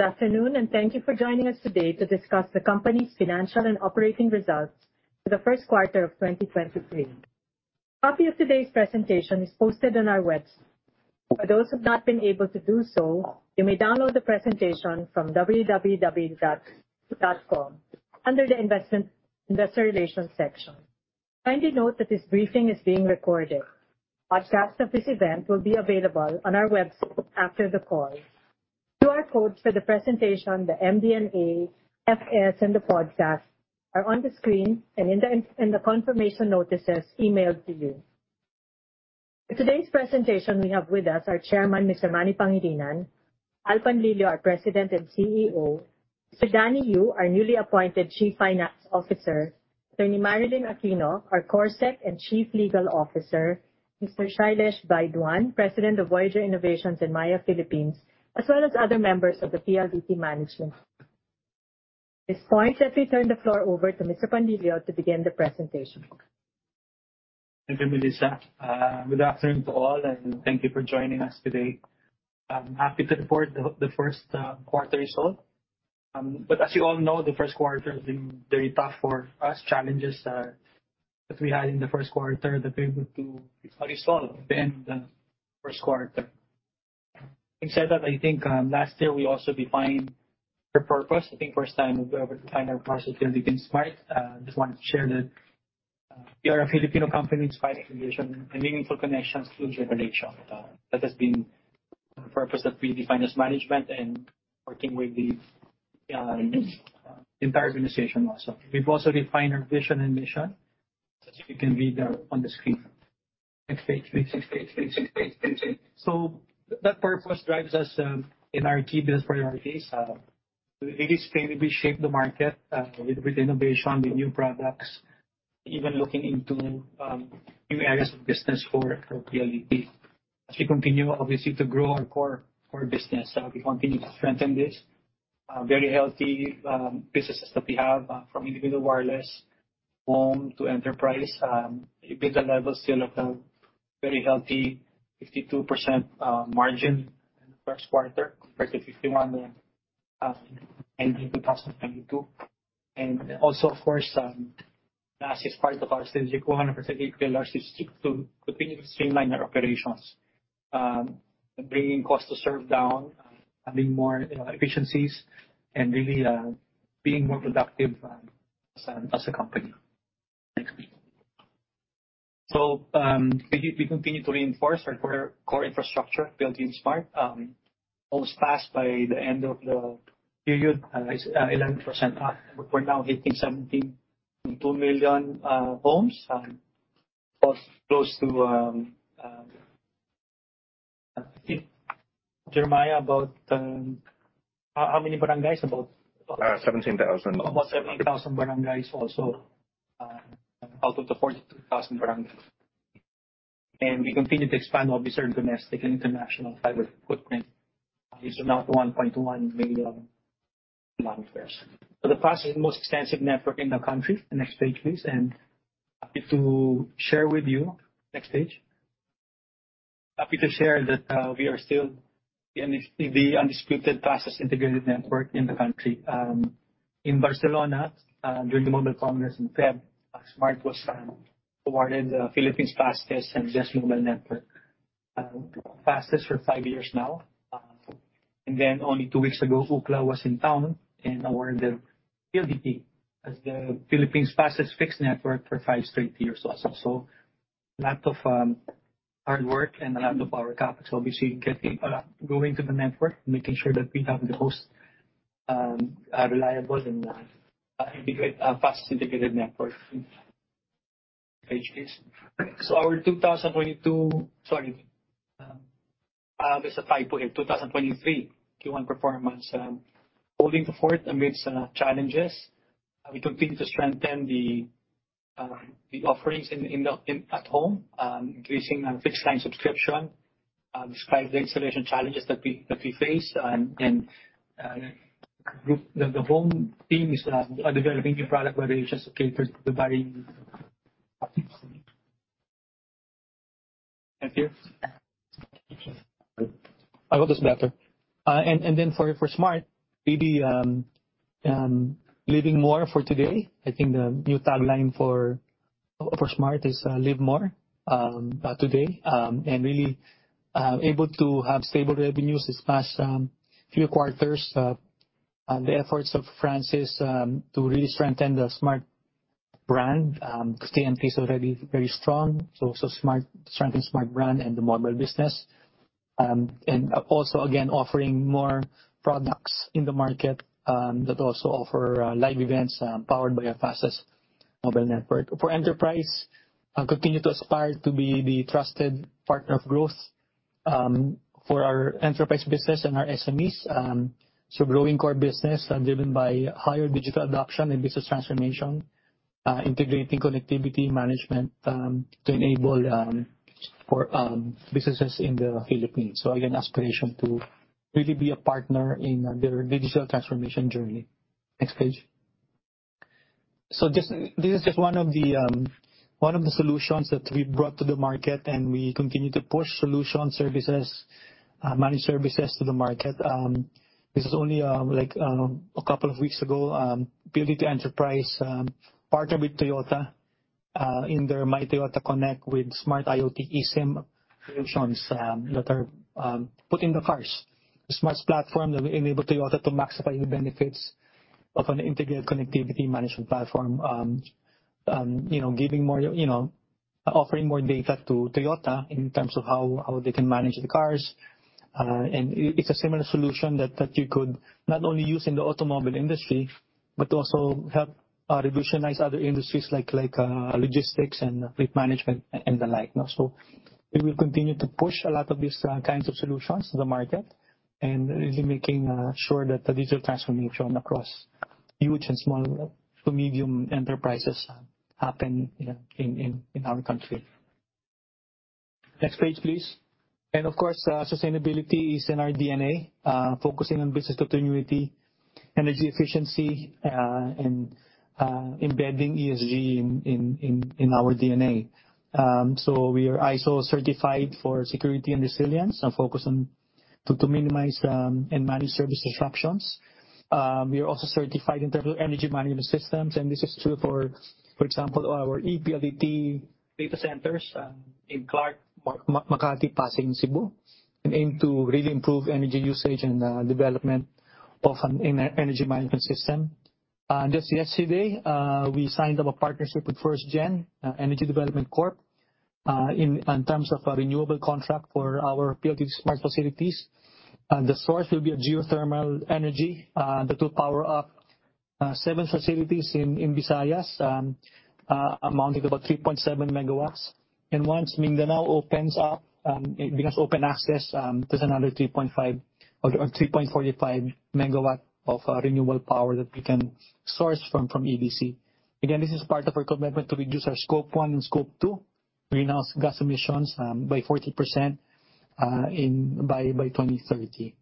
Good afternoon, thank you for joining us today to discuss the company's financial and operating results for the Q1 of 2023. A copy of today's presentation is posted on our website. For those who have not been able to do so, you may download the presentation from www.pldt.com under the Investor Relations section. Kindly note that this briefing is being recorded. A podcast of this event will be available on our website after the call. QR codes for the presentation, the MD&A, FS, and the podcast are on the screen and the confirmation notices emailed to you. For today's presentation, we have with us our Chairman, Mr. Manny Pangilinan. Al Panlilio, our President and CEO. Sir Danny Yu, our newly appointed Chief Finance Officer. Attorney Marilyn Aquino, our CorSec and Chief Legal Officer. Shailesh Baidwan, president of Voyager Innovations and PayMaya Philippines, as well as other members of the PLDT management. At this point, let me turn the floor over to Mr. Panlilio to begin the presentation. Thank you, Melissa. Good afternoon to all, thank you for joining us today. I'm happy to report the first quarter result. As you all know, the Q1 has been very tough for us. Challenges that we had in the first quarter that we were to resolve at the end of the first quarter. Having said that, I think last year we also defined our purpose. I think first time we're able to find our purpose at PLDT and Smart. I just wanted to share that we are a Filipino company inspiring innovation and meaningful connections for each generation. That has been the purpose that we defined as management and working with the entire organization also. We've also refined our vision and mission, as you can read there on the screen. Next page please. Next page. That purpose drives us in our key business priorities. It is to really shape the market with innovation, with new products, even looking into new areas of business for PLDT. As we continue obviously to grow our core business, we continue to strengthen this very healthy businesses that we have from individual wireless, home to enterprise. EBITDA levels still at a very healthy 52% margin in the first quarter compared to 51 in 2022. Also, of course, last year's part of our strategic 100% EBITDA is to continue to streamline our operations and bringing cost to serve down, having more efficiencies and really being more productive as a company. Next please. We continue to reinforce our core infrastructure, building Smart. Homes passed by the end of the period is 11% up. We're now hitting 17.2 million homes. Jeremiah, about how many barangays? 17,000. About 17,000 barangays also, out of the 42,000 barangays. We continue to expand obviously our domestic and international fiber footprint. It's now 1.1 million kilometers. The fastest and most extensive network in the country. The next page, please. Happy to share with you. Next page. Happy to share that we are still the undisputed fastest integrated network in the country. In Barcelona, during the Mobile World Congress in February, Smart was awarded the Philippines' fastest and best mobile network. Fastest for five years now. Only two weeks ago, Ookla was in town and awarded PLDT as the Philippines' fastest fixed network for five straight years also. A lot of hard work and a lot of our capital obviously getting going to the network, making sure that we have the most reliable and fast integrated network. Next page please. Our 2023 Q1 performance holding forth amidst challenges. We continue to strengthen the offerings at home, increasing fixed line subscription despite the installation challenges that we face. The home team is developing new product variations to cater to the varying options. Thank you. I hope that's better. For Smart, really, living more for today. I think the new tagline for Smart is live more today. Really, able to have stable revenues this past few quarters. The efforts of Francis to really strengthen the Smart brand because TNT is already very strong. Smart strengthen Smart brand and the mobile business. Also again offering more products in the market that also offer live events powered by our fastest mobile network. For enterprise, continue to aspire to be the trusted partner of growth for our enterprise business and our SMEs. Growing core business driven by higher digital adoption and business transformation. Integrating connectivity management to enable for businesses in the Philippines. Again, aspiration to really be a partner in their digital transformation journey. Next page. Just, this is just one of the solutions that we brought to the market and we continue to push solution services, managed services to the market. This is only like a couple of weeks ago, PLDT Enterprise partnered with Toyota in their myTOYOTA Connect with Smart IoT eSIM solutions that are put in the cars. The Smart platform that will enable Toyota to maximize the benefits of an integrated connectivity management platform, you know, giving more, you know, offering more data to Toyota in terms of how they can manage the cars. It's a similar solution that you could not only use in the automobile industry, but also help revolutionize other industries like logistics and fleet management and the like, you know. We will continue to push a lot of these kinds of solutions to the market and really making sure that the digital transformation across huge and small to medium enterprises happen, in our country. Next page, please. Of course, sustainability is in our D&A, focusing on business continuity, energy efficiency, and embedding ESG in our D&A. We are ISO certified for security and resilience and focus on to minimize and manage service disruptions. We are also certified in terms of energy management systems, and this is true for example, our ePLDT data centers in Clark, Makati, Pasig, and Cebu, and aim to really improve energy usage and development of an energy management system. Just yesterday, we signed up a partnership with First Gen Energy Development Corp in terms of a renewable contract for our PLDT Smart facilities. The source will be a geothermal energy that will power up seven facilities in Visayas, amounting to about 3.7 MW. Once Mindanao opens up, it becomes open access, there's another 3.5 or 3.45 MW of renewable power that we can source from EDC. Again, this is part of our commitment to reduce our scope one and scope two greenhouse gas emissions by 40% by 2030.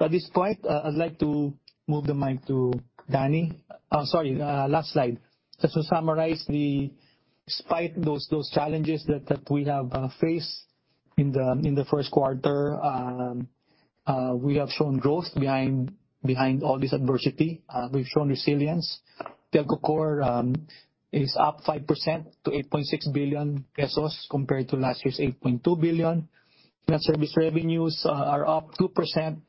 At this point, I'd like to move the mic to Danny. Sorry, last slide. Just to summarize the. Despite those challenges that we have faced in the Q1, we have shown growth behind all this adversity. We've shown resilience. Telco core is up 5% to 8.6 billion pesos compared to last year's 8.2 billion. Net service revenues are up 2%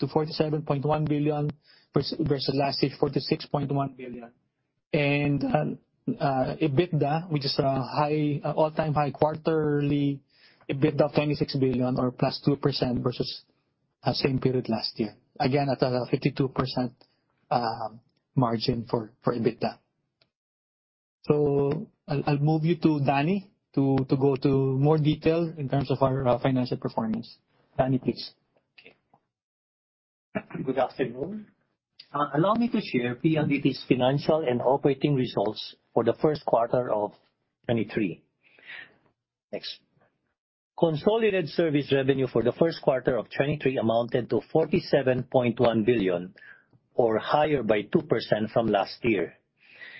to 47.1 billion versus last year's 46.1 billion. EBITDA, which is an all-time high quarterly EBITDA of 26 billion or +2% versus same period last year. Again, at a 52% margin for EBITDA. I'll move you to Danny to go to more detail in terms of our financial performance. Danny, please. Okay. Good afternoon. Allow me to share PLDT's financial and operating results for the first quarter of 2023. Next. Consolidated service revenue for the first quarter of 2023 amounted to 47.1 billion or higher by 2% from last year.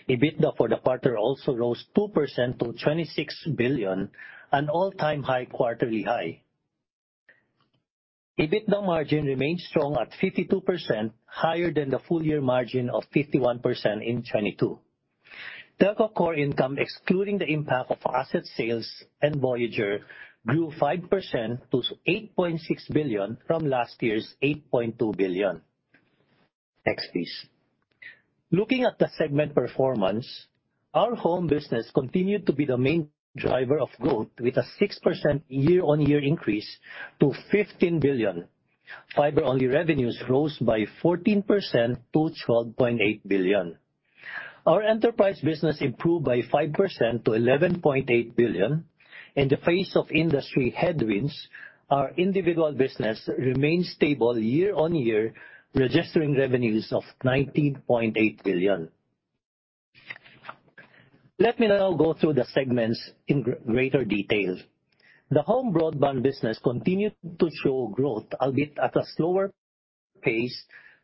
EBITDA for the quarter also rose 2% to 26 billion, an all-time high quarterly high. EBITDA margin remains strong at 52%, higher than the full year margin of 51% in 2022. Telco core income, excluding the impact of asset sales and Voyager, grew 5% to 8.6 billion from last year's 8.2 billion. Next, please. Looking at the segment performance, our home business continued to be the main driver of growth with a 6% year-on-year increase to 15 billion. Fiber-only revenues rose by 14% to 12.8 billion. Our enterprise business improved by 5% to 11.8 billion. In the face of industry headwinds, our individual business remains stable year-on-year, registering revenues of 19.8 billion. Let me now go through the segments in greater detail. The home broadband business continued to show growth, albeit at a slower pace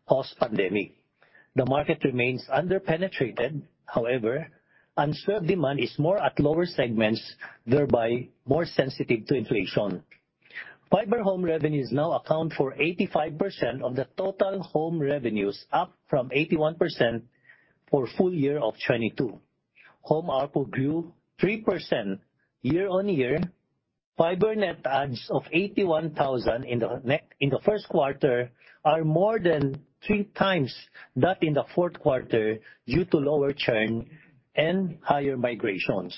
post-pandemic. The market remains under-penetrated, however, unserved demand is more at lower segments, thereby more sensitive to inflation. Fiber home revenues now account for 85% of the total home revenues, up from 81% for full year of 2022. Home ARPU grew 3% year-on-year. Fiber net adds of 81,000 in the first quarter are more than three times that in the fourth quarter due to lower churn and higher migrations.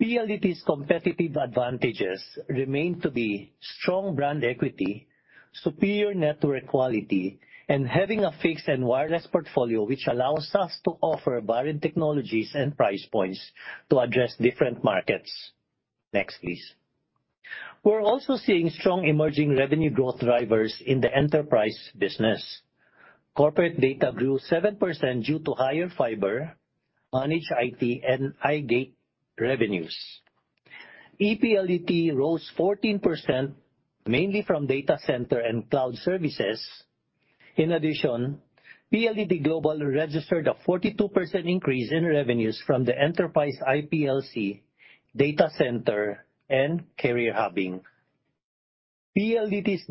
PLDT's competitive advantages remain to be strong brand equity, superior network quality, and having a fixed and wireless portfolio which allows us to offer varied technologies and price points to address different markets. Next, please. We're also seeing strong emerging revenue growth drivers in the enterprise business. Corporate data grew 7% due to higher fiber, managed IT, and iGate revenues. ePLDT rose 14%, mainly from data center and cloud services. In addition, PLDT Global registered a 42% increase in revenues from the enterprise IPLC data center and carrier hubbing. PLDT's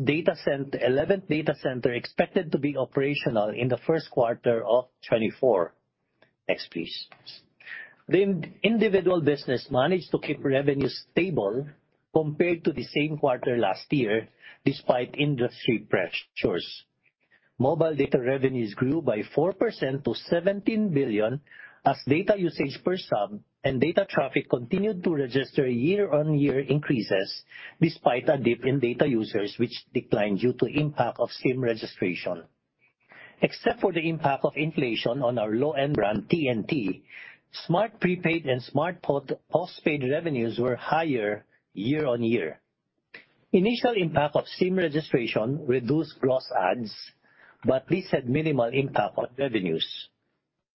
eleventh data center expected to be operational in the first quarter of 2024. Next, please. The individual business managed to keep revenue stable compared to the same quarter last year despite industry pressures. Mobile data revenues grew by 4% to 17 billion as data usage per sub and data traffic continued to register year-on-year increases despite a dip in data users which declined due to impact of SIM registration. Except for the impact of inflation on our low-end brand, TNT, Smart Prepaid and Smart Postpaid revenues were higher year-on-year. Initial impact of SIM registration reduced gross adds but this had minimal impact on revenues.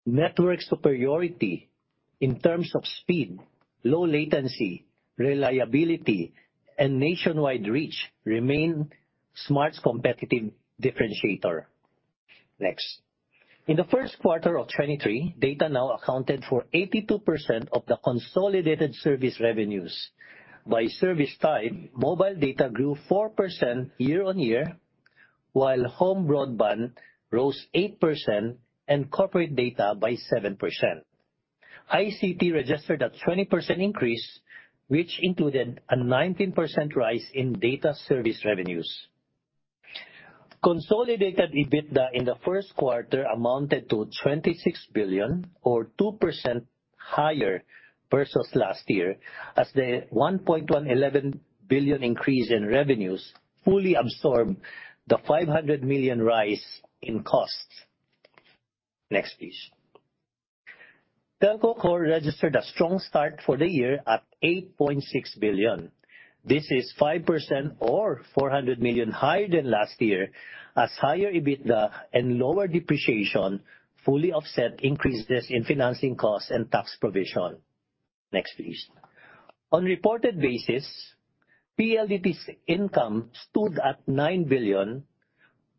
Network superiority in terms of speed, low latency, reliability and nationwide reach remain Smart's competitive differentiator. Next. In the first quarter of 2023, data now accounted for 82% of the consolidated service revenues. By service type, mobile data grew 4% year-on-year while home broadband rose 8% and corporate data by 7%. ICT registered a 20% increase which included a 19% rise in data service revenues. Consolidated EBITDA in the first quarter amounted to 26 billion or 2% higher versus last year as the 1.11 billion increase in revenues fully absorbed the 500 million rise in costs. Next, please. Telco core registered a strong start for the year at 8.6 billion. This is 5% or 400 million higher than last year as higher EBITDA and lower depreciation fully offset increases in financing costs and tax provision. Next, please. On reported basis, PLDT's income stood at 9 billion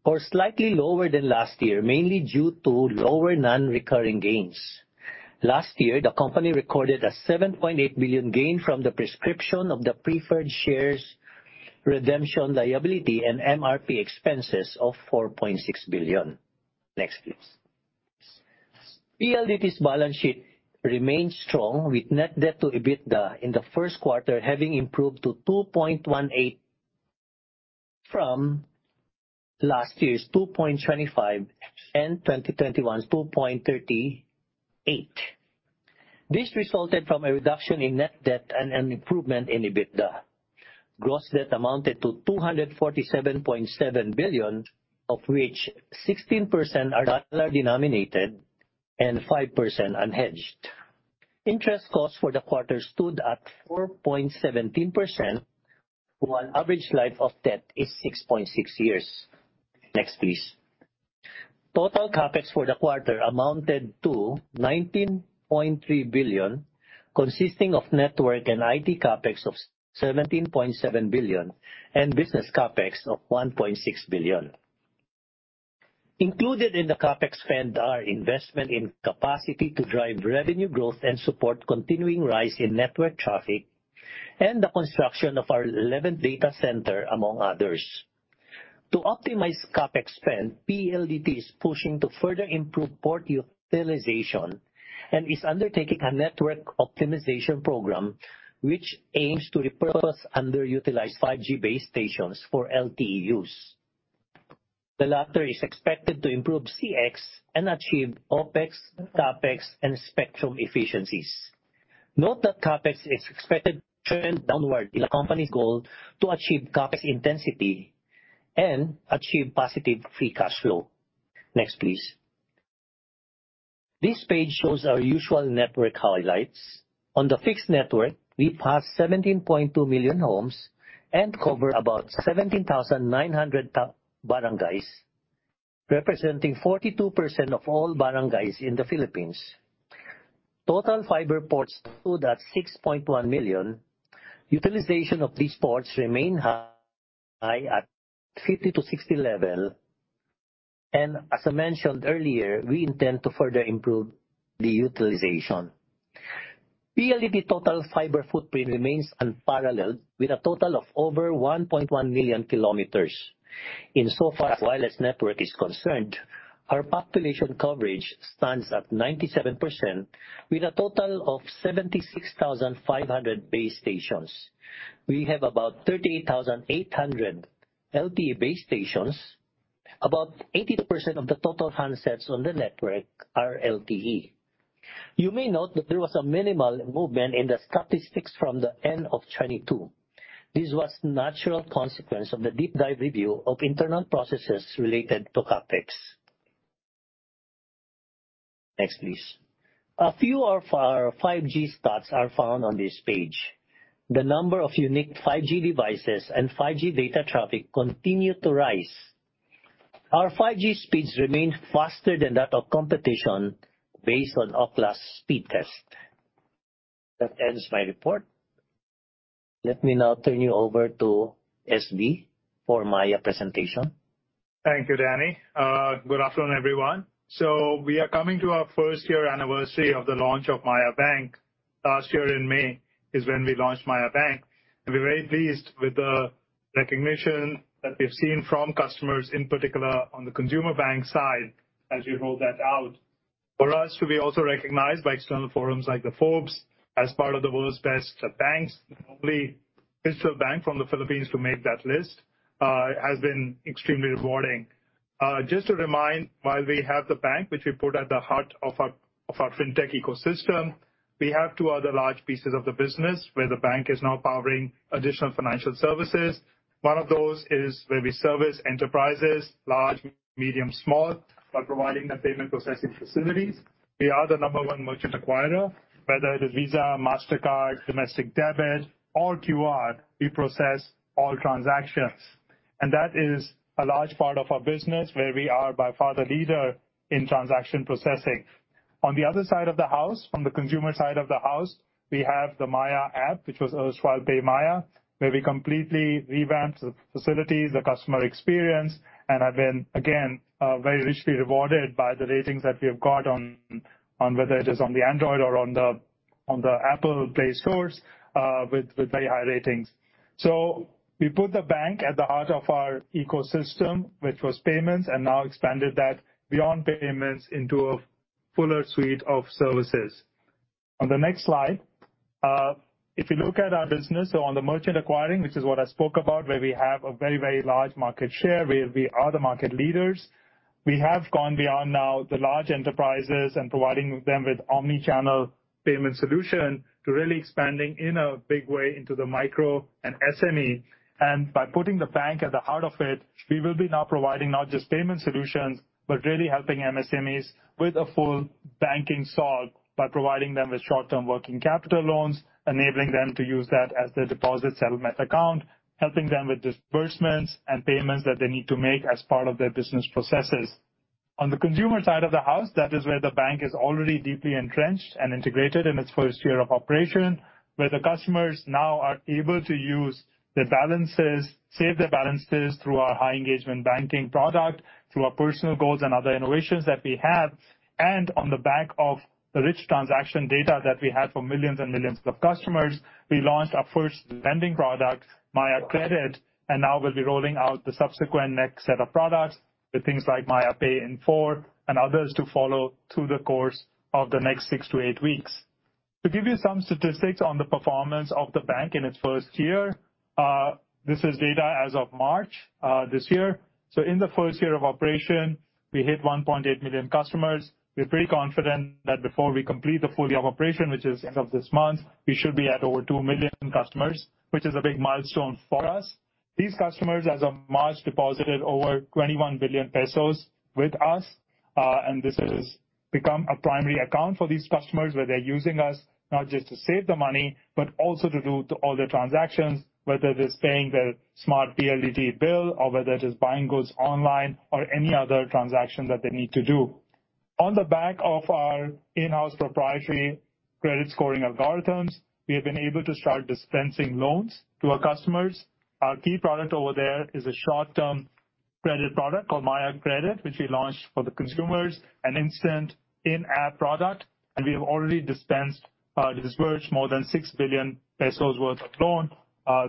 or slightly lower than last year mainly due to lower non-recurring gains. Last year, the company recorded a 7.8 billion gain from the prescription of the preferred shares redemption liability and MRP expenses of 4.6 billion. Next, please. PLDT's balance sheet remains strong with net debt to EBITDA in the Q1 having improved to 2.18 from last year's 2.25 and 2021's 2.38. This resulted from a reduction in net debt and an improvement in EBITDA. Gross debt amounted to 247.7 billion, of which 16% are dollar denominated and 5% unhedged. Interest costs for the quarter stood at 4.17% while average life of debt is 6.6 years. Next, please. Total CapEx for the quarter amounted to 19.3 billion, consisting of network and IT CapEx of 17.7 billion and business CapEx of 1.6 billion. Included in the CapEx spend are investment in capacity to drive revenue growth and support continuing rise in network traffic and the construction of our 11th data center, among others. To optimize CapEx spend, PLDT is pushing to further improve port utilization and is undertaking a network optimization program which aims to repurpose underutilized 5G base stations for LTE use. The latter is expected to improve CX and achieve OpEx, CapEx and spectrum efficiencies. Note that CapEx is expected to trend downward in accordance with the company's goal to achieve CapEx intensity and achieve positive free cash flow. Next, please. This page shows our usual network highlights. On the fixed network, we passed 17.2 million homes and cover about 17,900 barangays, representing 42% of all barangays in the Philippines. Total fiber ports stood at 6.1 million. Utilization of these ports remain high at 50-60 level. As I mentioned earlier, we intend to further improve the utilization. PLDT total fiber footprint remains unparalleled with a total of over 1.1 million kilometers. Insofar as wireless network is concerned, our population coverage stands at 97% with a total of 76,500 base stations. We have about 38,800 LTE base stations. About 82% of the total handsets on the network are LTE. You may note that there was a minimal movement in the statistics from the end of 2022. This was natural consequence of the deep dive review of internal processes related to CapEx. Next, please. A few of our 5G stats are found on this page. The number of unique 5G devices and 5G data traffic continued to rise Our 5G speeds remain faster than that of competition based on Ookla speed test. That ends my report. Let me now turn you over to SB for Maya presentation. Thank you, Danny. Good afternoon, everyone. We are coming to our first year anniversary of the launch of Maya Bank. Last year in May is when we launched Maya Bank, and we're very pleased with the recognition that we've seen from customers, in particular on the consumer bank side as we rolled that out. For us to be also recognized by external forums like the Forbes as part of the world's best banks, the only digital bank from the Philippines to make that list, has been extremely rewarding. Just to remind, while we have the bank which we put at the heart of our, of our fintech ecosystem, we have two other large pieces of the business where the bank is now powering additional financial services. One of those is where we service enterprises large, medium, small, by providing the payment processing facilities. We are the number one merchant acquirer, whether it is Visa, Mastercard, domestic debit or QR, we process all transactions. That is a large part of our business where we are by far the leader in transaction processing. On the other side of the house, from the consumer side of the house, we have the Maya app, which was erstwhile PayMaya, where we completely revamped the facility, the customer experience, and have been again, very richly rewarded by the ratings that we have got on whether it is on the Android or on the Apple Play stores with very high ratings. We put the bank at the heart of our ecosystem, which was payments, and now expanded that beyond payments into a fuller suite of services. On the next slide, if you look at our business or on the merchant acquiring, which is what I spoke about, where we have a very, very large market share, where we are the market leaders, we have gone beyond now the large enterprises and providing them with omni-channel payment solution to really expanding in a big way into the micro and SME. By putting the bank at the heart of it, we will be now providing not just payment solutions, but really helping MSMEs with a full banking solve by providing them with short-term working capital loans, enabling them to use that as their deposit settlement account, helping them with disbursements and payments that they need to make as part of their business processes. On the consumer side of the house, that is where the bank is already deeply entrenched and integrated in its first year of operation, where the customers now are able to use their balances, save their balances through our high engagement banking product, through our personal goals and other innovations that we have. On the back of the rich transaction data that we have for millions and millions of customers, we launched our first lending product, Maya Credit, and now we'll be rolling out the subsequent next set of products with things like Maya Pay in full and others to follow through the course of the next six to eight weeks. To give you some statistics on the performance of the bank in its first year, this is data as of March this year. In the first year of operation we hit 1.8 million customers. We're pretty confident that before we complete the full year of operation, which is end of this month, we should be at over 2 million customers, which is a big milestone for us. These customers as of March, deposited over 21 billion pesos with us. This has become a primary account for these customers, where they're using us not just to save the money, but also to do all their transactions, whether it is paying their Smart PLDT bill or whether it is buying goods online or any other transaction that they need to do. On the back of our in-house proprietary credit scoring algorithms, we have been able to start dispensing loans to our customers. Our key product over there is a short-term credit product called Maya Credit, which we launched for the consumers, an instant in-app product. We have already dispensed disbursed more than 6 billion pesos worth of loan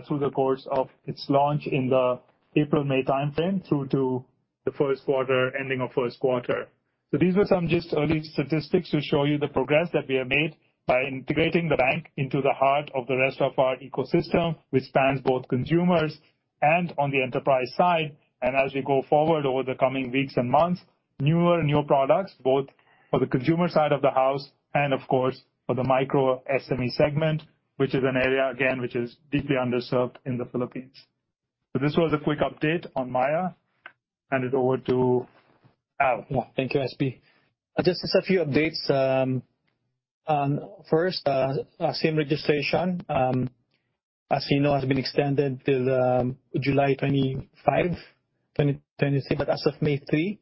through the course of its launch in the April-May timeframe through to the first quarter, ending of first quarter. These were some just early statistics to show you the progress that we have made by integrating the bank into the heart of the rest of our ecosystem, which spans both consumers and on the enterprise side. As we go forward over the coming weeks and months, newer and new products both for the consumer side of the house and of course for the micro SME segment, which is an area again which is deeply underserved in the Philippines. This was a quick update on Maya. Hand it over to Al. Yeah. Thank you, SB. Just as a few updates. First, SIM registration, as you know, has been extended till July 25, 2023. As of May 3,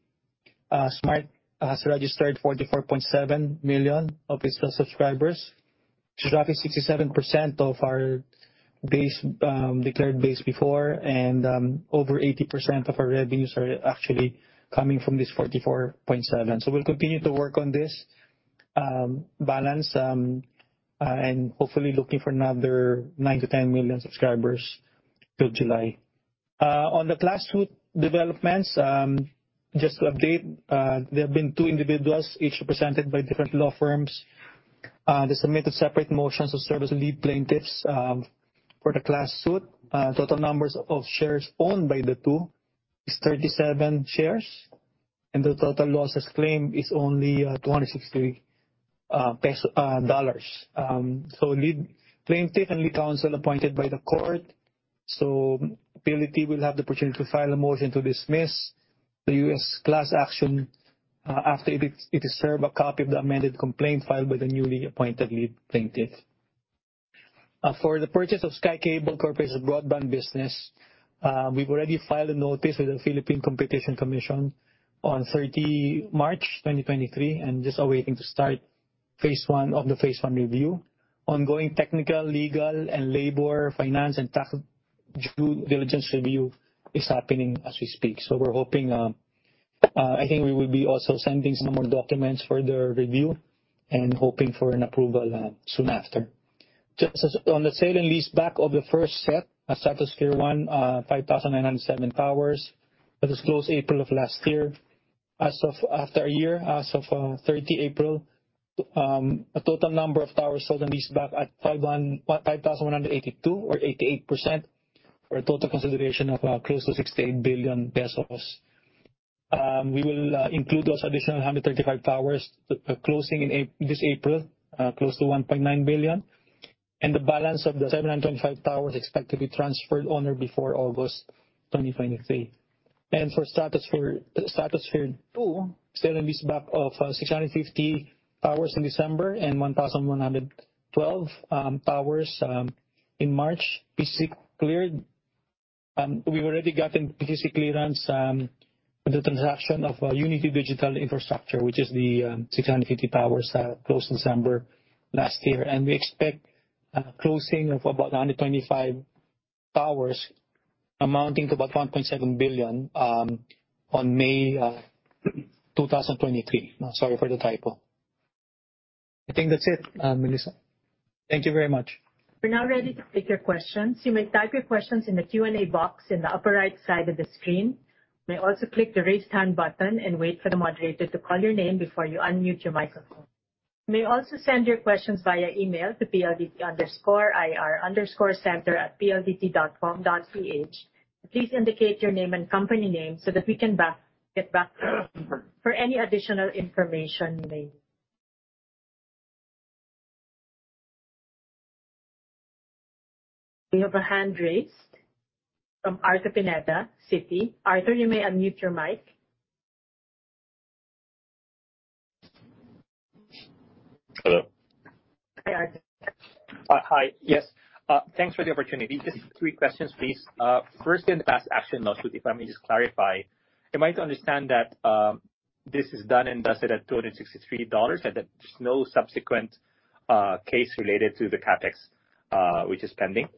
Smart has registered 44.7 million of its subscribers, which is roughly 67% of our base, declared base before. Over 80% of our revenues are actually coming from this 44.7. We'll continue to work on this balance and hopefully looking for another 9-10 million subscribers till July. On the class suit developments, just to update, there have been two individuals, each represented by different law firms. They submitted separate motions to serve as lead plaintiffs for the class suit. Total numbers of shares owned by the two is 37 shares, the total losses claimed is only $26 billion. Plaintiff and lead counsel appointed by the court. PLDT will have the opportunity to file a motion to dismiss the U.S. class action after it is served a copy of the amended complaint filed by the newly appointed lead plaintiff. For the purchase of SkyCable Corporation broadband business, we've already filed a notice with the Philippine Competition Commission on 30 March 2023, just awaiting to start phase one of the phase one review. Ongoing technical, legal, and labor, finance, and tax due diligence review is happening as we speak. We're hoping, I think we will be also sending some more documents for their review and hoping for an approval soon after. Just as on the sale and lease back of the first set at Stratosphere 1, 5,907 towers that was closed April of last year. As of after a year, as of 30 April, a total number of towers sold and leased back at 5,182 or 88% for a total consideration of close to 68 billion pesos. We will include those additional 135 towers closing in this April, close to 1.9 billion, and the balance of the 725 towers expect to be transferred on or before August 2023. For Stratosphere 2 sale and lease back of 650 towers in December and 1,112 towers in March, PCC cleared. We've already gotten PCC clearance with the transaction of Unity Digital Infrastructure, which is the 650 towers closed in December last year. We expect a closing of about 925 towers amounting to about $1.7 billion on May 2023. Sorry for the typo. I think that's it, Melissa. Thank you very much. We're now ready to take your questions. You may type your questions in the Q&A box in the upper right side of the screen. You may also click the Raise Hand button and wait for the moderator to call your name before you unmute your microphone. You may also send your questions via email to pldt_ir_center@pldt.com.ph. Please indicate your name and company name so that we can get back for any additional information needed. We have a hand raised from Arthur Pineda, Citi. Arthur, you may unmute your mic. Hello. Hi, Arthur. Hi. Yes, thanks for the opportunity. Just three questions, please. First, in the class action lawsuit, if I may just clarify, am I to understand that this is done and dusted at $263, and that there's no subsequent case related to the CapEx which is pending?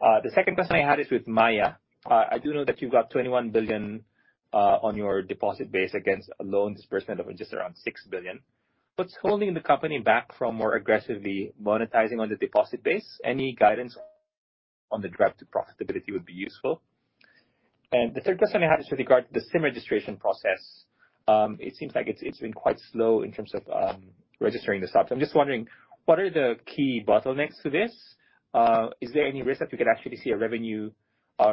The second question I had is with Maya. I do know that you've got 21 billion on your deposit base against a loan disbursement of just around 6 billion. What's holding the company back from more aggressively monetizing on the deposit base? Any guidance on the drive to profitability would be useful. The third question I have is with regard to the SIM registration process. It seems like it's been quite slow in terms of registering the subs. I'm just wondering, what are the key bottlenecks to this? Is there any risk that we could actually see a revenue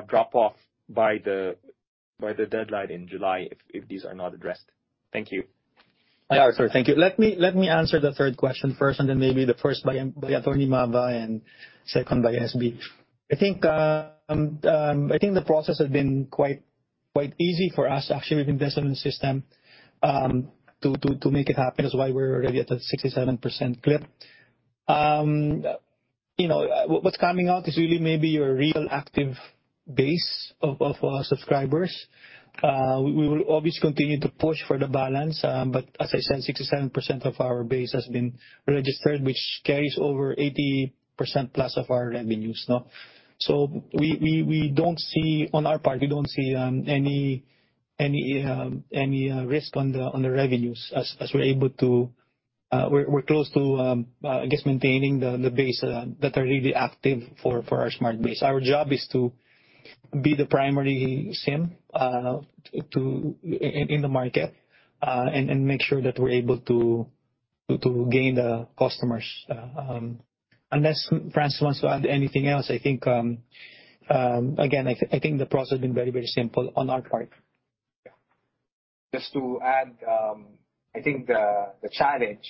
drop off by the deadline in July if these are not addressed? Thank you. Hi, Arthur. Thank you. Let me answer the third question first, and then maybe the first by Attorney Mava and second by SB. I think the process has been quite easy for us. Actually, we've invested in the system to make it happen. That's why we're already at the 67% clip. you know, what's coming out is really maybe your real active base of subscribers. We will obviously continue to push for the balance, but as I said, 67% of our base has been registered, which carries over 80% plus of our revenues, no. We don't see, on our part, we don't see any risk on the revenues as we're able to we're close to I guess, maintaining the base that are really active for our Smart base. Our job is to be the primary SIM to in the market and make sure that we're able to gain the customers. Unless France wants to add anything else, I think again, I think the process has been very simple on our part. Yeah. Just to add, I think the challenge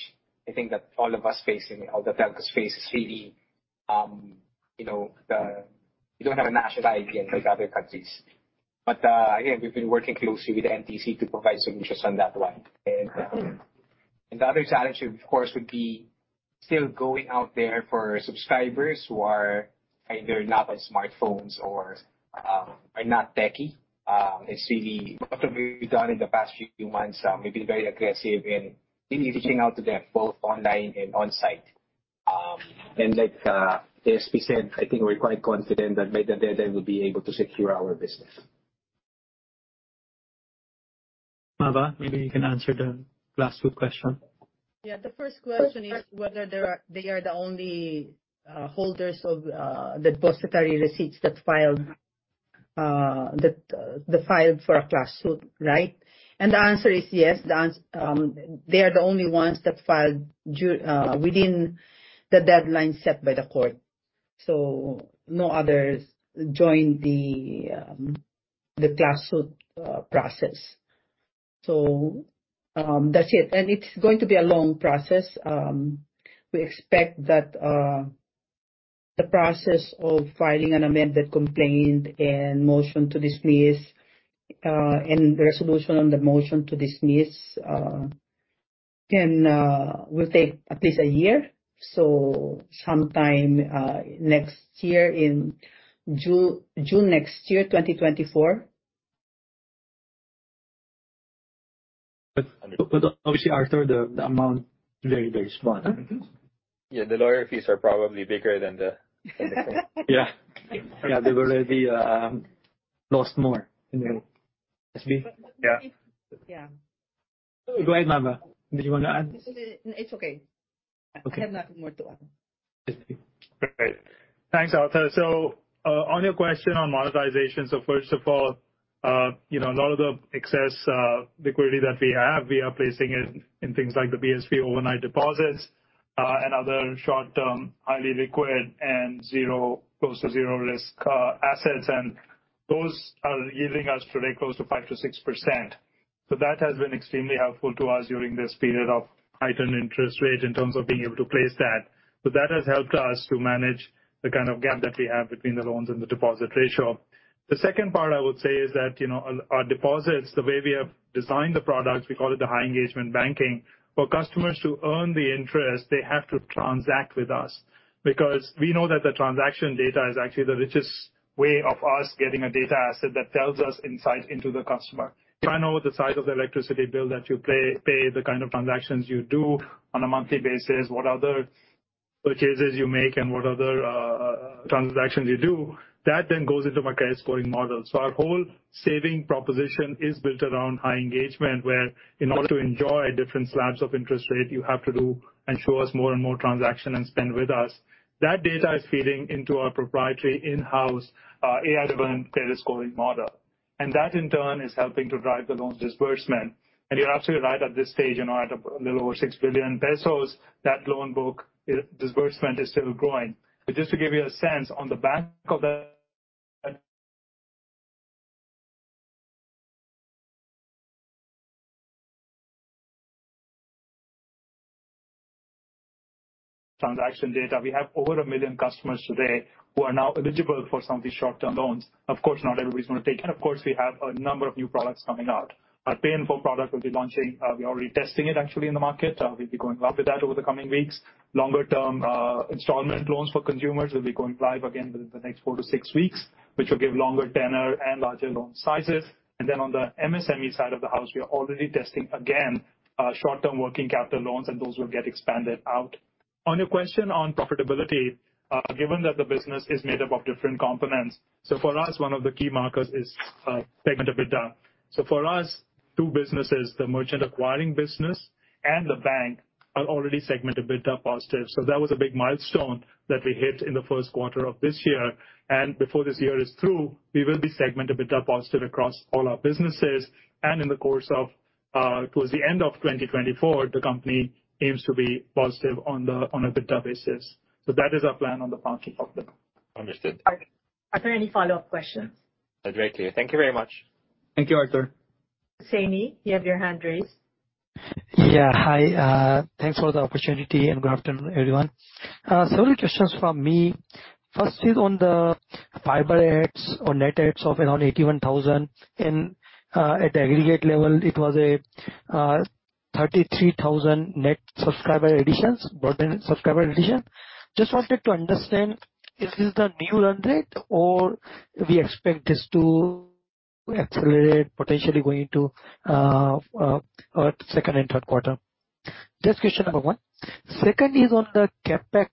that all of us face and all the telcos face is really, we don't have a national ID unlike other countries. Again, we've been working closely with NTC to provide solutions on that one. The other challenge of course would be still going out there for subscribers who are either not on smartphones or are not techie. It's really what have we done in the past few months. We've been very aggressive in really reaching out to them both online and on-site. Like SB said, I think we're quite confident that by the day that we'll be able to secure our business. Mava, maybe you can answer the last two question. Yeah. The first question is whether they are the only holders of the depositary receipts that filed the filed for a class suit, right? The answer is yes. They are the only ones that filed within the deadline set by the court. No others joined the class suit process. That's it. It's going to be a long process. We expect that the process of filing an amended complaint and motion to dismiss and resolution on the motion to dismiss. Can will take at least a year. Sometime, next year in June next year, 2024. Obviously, Arthur, the amount very small. Yeah. The lawyer fees are probably bigger than the. Yeah, they've already lost more in the, SB. Yeah. Yeah. Go ahead, Mama. Did you want to add? It's okay. Okay. I have nothing more to add. Great. Thanks, Arthur. On your question on monetization. First of all, you know, a lot of the excess liquidity that we have, we are placing it in things like the BSP overnight deposits, and other short-term, highly liquid and zero, close to zero risk assets. Those are yielding us today close to 5%-6%. That has been extremely helpful to us during this period of heightened interest rates in terms of being able to place that. That has helped us to manage the kind of gap that we have between the loans and the deposit ratio. The second part I would say is that, you know, our deposits, the way we have designed the products, we call it the high engagement banking. For customers to earn the interest, they have to transact with us, because we know that the transaction data is actually the richest way of us getting a data asset that tells us insights into the customer. If I know the size of the electricity bill that you pay, the kind of transactions you do on a monthly basis, what other purchases you make and what other transactions you do, that then goes into my credit scoring model. Our whole saving proposition is built around high engagement, where in order to enjoy different slabs of interest rate, you have to do and show us more and more transaction and spend with us. That data is feeding into our proprietary in-house AI-driven credit scoring model. That, in turn, is helping to drive the loans disbursement. You're absolutely right at this stage, you know, at a little over 6 billion pesos, that loan book disbursement is still growing. Just to give you a sense on the back of the transaction data, we have over 1 million customers today who are now eligible for some of these short-term loans. Of course, not everybody's going to take it. Of course, we have a number of new products coming out. Our Pay in 4 product will be launching. we're already testing it actually in the market. we'll be going live with that over the coming weeks. Longer-term, installment loans for consumers will be going live again within the next four to six weeks, which will give longer tenor and larger loan sizes. On the MSME side of the house, we are already testing again, short-term working capital loans, and those will get expanded out. On your question on profitability, given that the business is made up of different components, for us, one of the key markers is segment EBITDA. For us, two businesses, the merchant acquiring business and the bank are already segment EBITDA positive. That was a big milestone that we hit in the Q1 of this year. Before this year is through, we will be segment EBITDA positive across all our businesses. In the course of, towards the end of 2024, the company aims to be positive on the, on an EBITDA basis. That is our plan on the banking of the bank. Understood. Are there any follow-up questions? No, great clear. Thank you very much. Thank you, Arthur Hussaini, you have your hand raised. Yeah. Hi. Thanks for the opportunity, and good afternoon, everyone. Several questions from me. First is on the fiber adds or net adds of around 81,000. At aggregate level, it was a 33,000 net subscriber additions, broadband subscriber addition. Just wanted to understand, is this the new run rate or we expect this to accelerate potentially going to second and third quarter? That's question number one. Second is on the CapEx.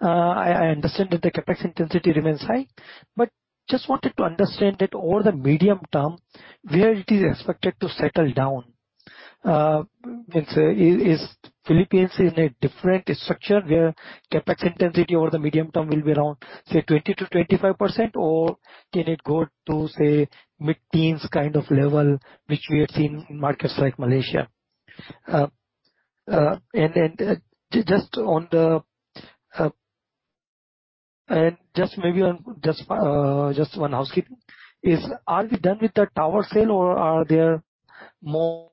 I understand that the CapEx intensity remains high, but just wanted to understand that over the medium term, where it is expected to settle down. Let's say, is Philippines in a different structure where CapEx intensity over the medium term will be around, say, 20%-25%, or can it go to, say, mid-teens kind of level, which we have seen in markets like Malaysia? Just maybe on, just one housekeeping. Are we done with the tower sale or are there more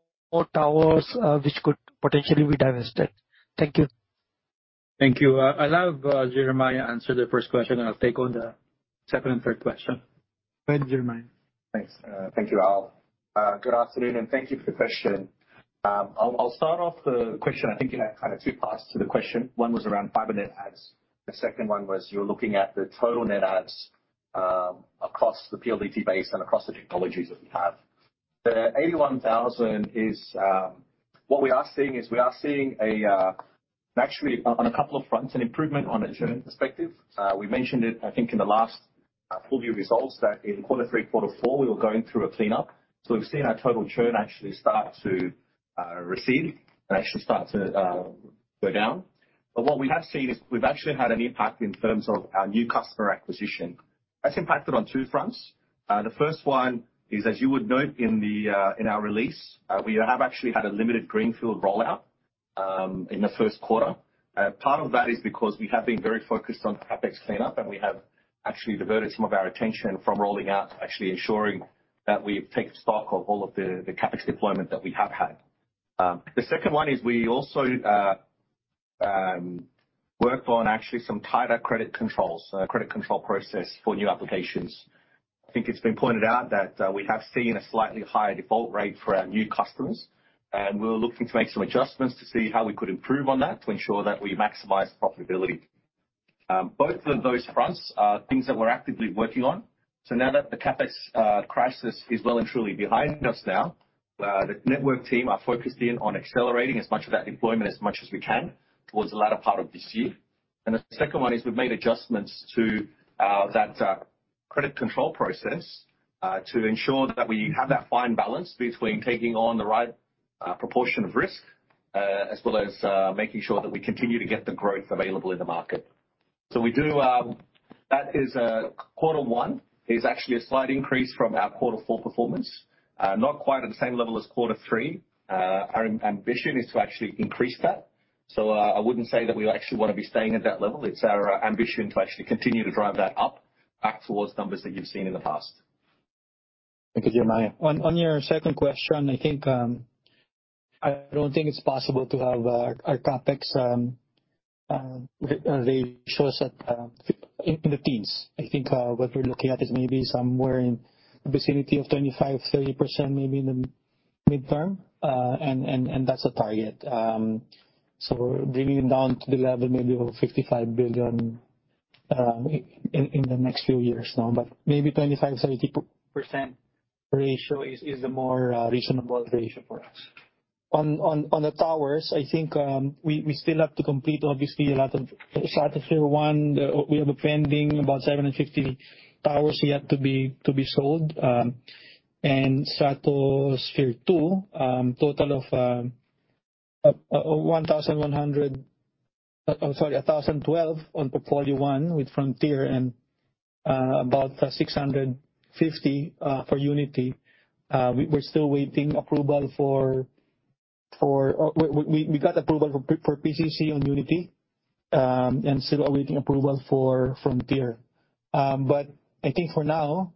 towers which could potentially be divested? Thank you. Thank you. I'll have Jeremiah answer the first question, and I'll take on the second and third question. Go ahead, Jeremiah. Thanks. Thank you, Al. Good afternoon, and thank you for the question. I'll start off the question. I think you had kinda two parts to the question. One was around fiber net adds. The second one was you're looking at the total net adds, across the PLDT base and across the technologies that we have. The 81,000 is. What we are seeing is we are seeing a, actually on a couple of fronts, an improvement on a churn perspective. We mentioned it, I think in the last full year results that in Q3, Q4, we were going through a cleanup. We've seen our total churn actually start to recede and actually start to go down. What we have seen is we've actually had an impact in terms of our new customer acquisition. That's impacted on two fronts. The first one is, as you would note in the in our release, we have actually had a limited greenfield rollout in the first quarter. Part of that is because we have been very focused on CapEx cleanup, and we have actually diverted some of our attention from rolling out to actually ensuring that we've taken stock of all of the CapEx deployment that we have had. The second one is we also work on actually some tighter credit controls, credit control process for new applications. I think it's been pointed out that we have seen a slightly higher default rate for our new customers, and we were looking to make some adjustments to see how we could improve on that to ensure that we maximize profitability. Both of those fronts are things that we're actively working on. Now that the CapEx crisis is well and truly behind us now, the network team are focused in on accelerating as much of that deployment as much as we can towards the latter part of this year. The second one is we've made adjustments to that credit control process to ensure that we have that fine balance between taking on the right proportion of risk as well as making sure that we continue to get the growth available in the market. That is, quarter one is actually a slight increase from our quarter four performance. Not quite at the same level as quarter three. Our ambition is to actually increase that. I wouldn't say that we actually wanna be staying at that level. It's our ambition to actually continue to drive that up back towards numbers that you've seen in the past. Thank you, Jeremiah. On your second question, I think, I don't think it's possible to have our CapEx ratio is at in the teens. I think, what we're looking at is maybe somewhere in the vicinity of 25-30% maybe in the midterm, and that's the target. Bringing it down to the level maybe of 55 billion in the next few years now, but maybe 25-30% ratio is the more reasonable ratio for us. On the towers, I think, we still have to complete obviously a lot of Stratosphere 1. We have a pending about 750 towers yet to be sold. Stratosphere 2, total of 1,100- Sorry, 1,012 on portfolio one with Frontier and about 650 for Unity. We're still waiting approval. We got approval for PCC on Unity and still are waiting approval for Frontier. I think for now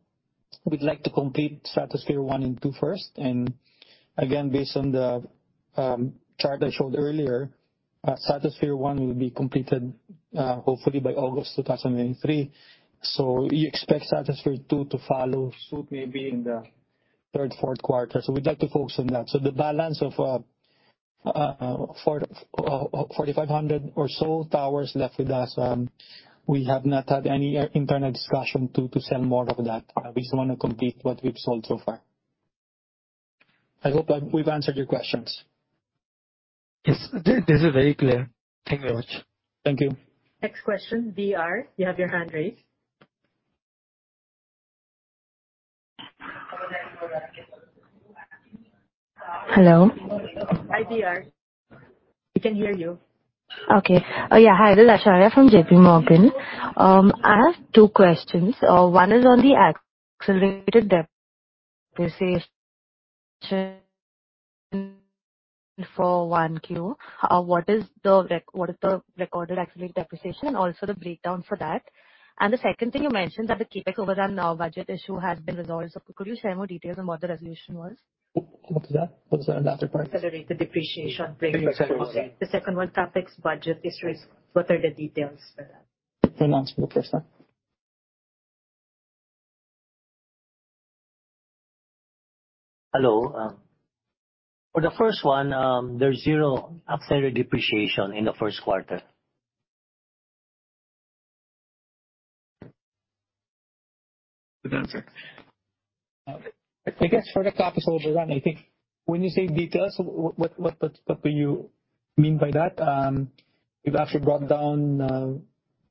we'd like to complete Stratosphere 1 and 2 first. Again, based on the chart I showed earlier, Stratosphere 1 will be completed hopefully by August 2023. You expect Stratosphere 2 to follow suit maybe in the Q3, Q4 We'd like to focus on that. The balance of 4,500 or so towers left with us, we have not had any internal discussion to sell more of that. We just wanna complete what we've sold so far. I hope that we've answered your questions. Yes. This is very clear. Thank you very much. Thank you. Next question, VR. You have your hand raised. Hello? Hi, VR. We can hear you. Okay. Hi, this is Aishwarya from J.P. Morgan. I have two questions. One is on the accelerated depreciation for Q1. What is the recorded accelerated depreciation and also the breakdown for that? The second thing, you mentioned that the CapEx overrun budget issue has been resolved. Could you share more details on what the resolution was? What was that? What's the latter part? Accelerated depreciation breakdown. CapEx. The second one, CapEx budget issues, what are the details for that? Can you answer, Christopher? Hello. For the first one, there's zero accelerated depreciation in the 1st quarter. Good answer. I guess for the CapEx overrun, I think when you say details, what do you mean by that? We've actually brought down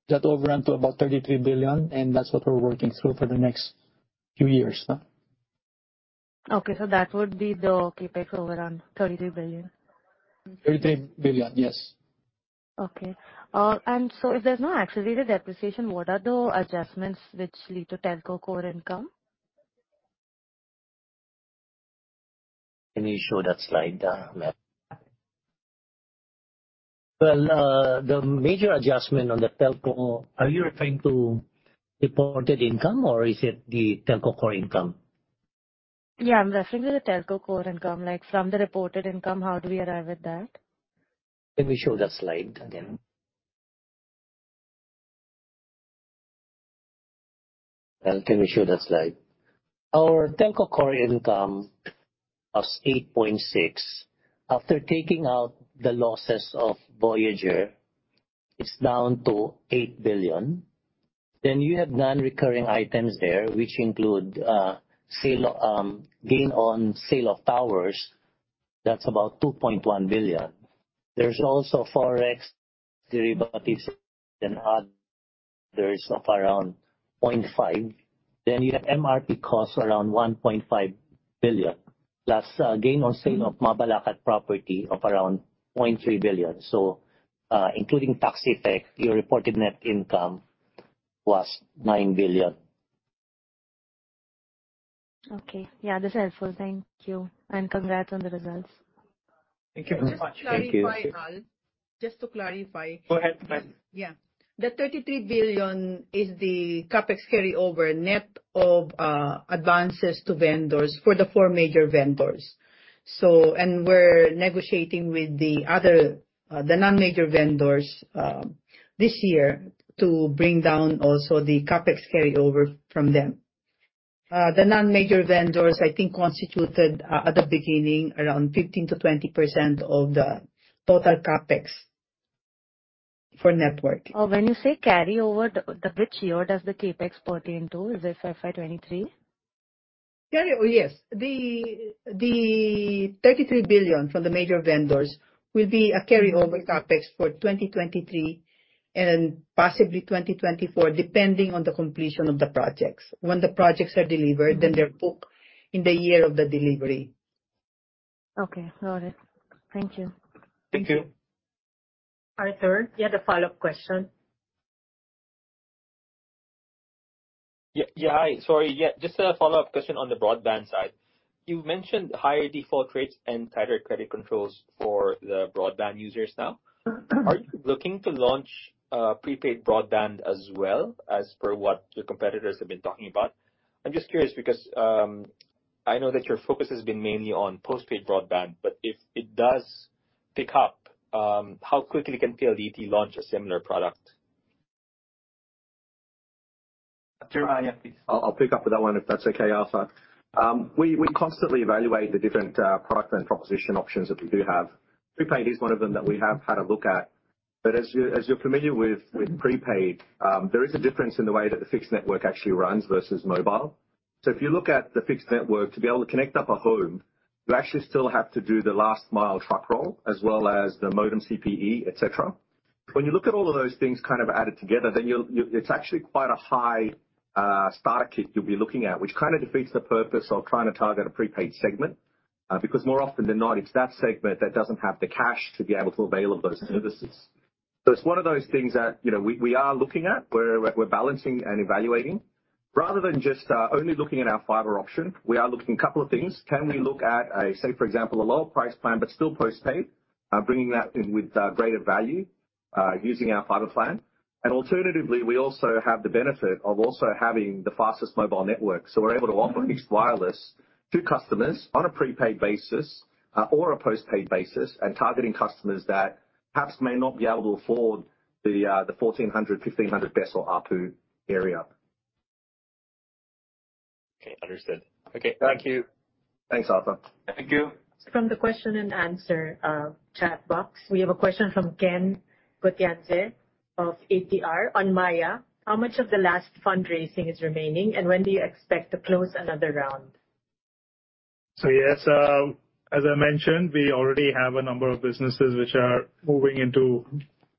that overrun to about 33 billion. That's what we're working through for the next few years. Okay. That would be the CapEx overrun, 33 billion. 33 billion, yes. Okay. If there's no accelerated depreciation, what are the adjustments which lead to Telco core income? Can you show that slide, Al, maybe? Well, the major adjustment on the Telco, are you referring to reported income or is it the Telco core income? Yeah, I'm referring to the Telco core income. Like from the reported income, how do we arrive at that? Can we show that slide again? Al, can we show that slide? Our Telco core income was 8.6 billion. After taking out the losses of Voyager, it's down to 8 billion. You have non-recurring items there, which include, sale, gain on sale of towers. That's about 2.1 billion. There's also Forex derivatives and others of around 0.5 billion. You have MRP costs around 1.5 billion, plus, gain on sale of Mabalacat property of around 0.3 billion. Including tax effect, your reported net income was 9 billion. Okay. Yeah, that's helpful. Thank you, and congrats on the results. Thank you very much. Just to clarify, Al. Just to clarify. Go ahead, ma'am. Yeah. The 33 billion is the CapEx carryover net of advances to vendors for the four major vendors. We're negotiating with the other, the non-major vendors, this year to bring down also the CapEx carryover from them. The non-major vendors I think constituted at the beginning around 15%-20% of the total CapEx for network. Oh, when you say carryover, the which year does the CapEx pertain to? Is it FY 2023? Oh, yes. The 33 billion from the major vendors will be a carryover CapEx for 2023 and possibly 2024, depending on the completion of the projects. When the projects are delivered, they're booked in the year of the delivery. Okay. Got it. Thank you. Thank you. Arthur, you had a follow-up question. Yeah. Hi, sorry. Yeah, just a follow-up question on the broadband side. You mentioned higher default rates and tighter credit controls for the broadband users now. Are you looking to launch prepaid broadband as well as per what your competitors have been talking about? I'm just curious because, I know that your focus has been mainly on postpaid broadband, but if it does pick up, how quickly can PLDT launch a similar product? Jeremiah, yeah, please. I'll pick up with that one if that's okay, Arthur. We constantly evaluate the different product and proposition options that we do have. Prepaid is one of them that we have had a look at. As you're familiar with prepaid, there is a difference in the way that the fixed network actually runs versus mobile. If you look at the fixed network, to be able to connect up a home, you actually still have to do the last mile truck roll as well as the modem CPE, et cetera. When you look at all of those things kind of added together, then it's actually quite a high starter kit you'll be looking at, which kind of defeats the purpose of trying to target a prepaid segment. Because more often than not, it's that segment that doesn't have the cash to be able to avail of those services. It's one of those things that, you know, we are looking at. We're balancing and evaluating. Rather than just only looking at our fiber option, we are looking a couple of things. Can we look at say for example, a lower price plan but still postpaid, bringing that in with greater value, using our fiber plan. Alternatively, we also have the benefit of also having the fastest mobile network. We're able to offer fixed wireless to customers on a prepaid basis, or a postpaid basis, and targeting customers that perhaps may not be able to afford the 1,400-1,500 peso ARPU area. Okay. Understood. Okay. Thank you. Thanks, Arthur. Thank you. From the question and answer, chat box, we have a question from Ken Gotianse of ATR on Maya. How much of the last fundraising is remaining, and when do you expect to close another round? Yes, as I mentioned, we already have a number of businesses which have moved into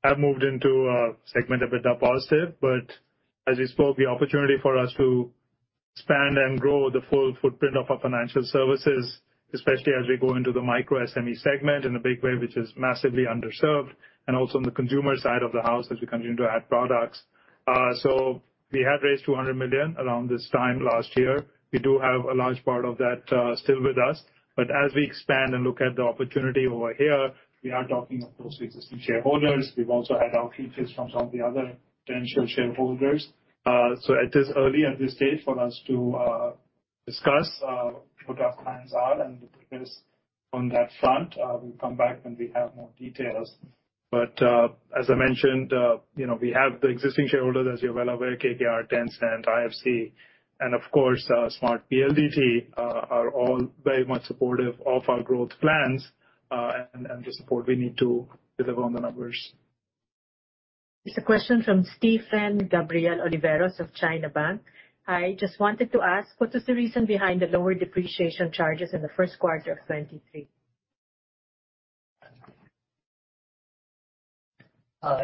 a segment a bit positive. As we spoke, the opportunity for us to expand and grow the full footprint of our financial services, especially as we go into the micro SME segment in a big way, which is massively underserved, and also on the consumer side of the house as we continue to add products. We had raised 200 million around this time last year. We do have a large part of that still with us. As we expand and look at the opportunity over here, we are talking across the existing shareholders. We've also had outreach from some of the other potential shareholders. It is early at this stage for us to discuss what our plans are and the progress on that front. We'll come back when we have more details. As I mentioned, you know, we have the existing shareholders, as you're well aware, KKR, Tencent, IFC, and of course, Smart PLDT, are all very much supportive of our growth plans, and the support we need to deliver on the numbers. It's a question from Stephen Gabriel Oliveros of China Bank. I just wanted to ask, what is the reason behind the lower depreciation charges in the first quarter of 2023?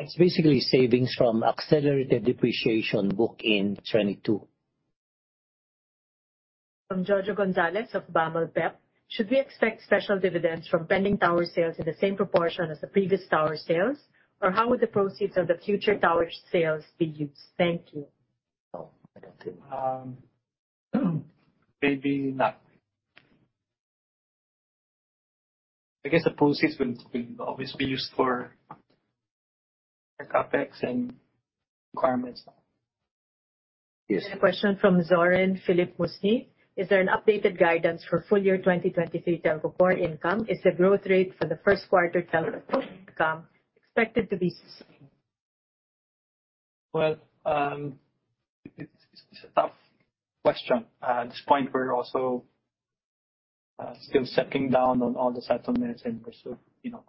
It's basically savings from accelerated depreciation booked in 2022. From Jorge Gonzalez of BAML PeP, should we expect special dividends from pending tower sales in the same proportion as the previous tower sales? How would the proceeds of the future tower sales be used? Thank you. Maybe not. I guess the proceeds will obviously be used for the CapEx and requirements. Yes. A question from Zorin Philip Musni. Is there an updated guidance for full year 2023 Telco core income? Is the growth rate for the 1st quarter Telco core income expected to be sustained? Well, it's a tough question. At this point we're also still settling down on all the settlements and pursue, you know.